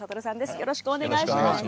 よろしくお願いします。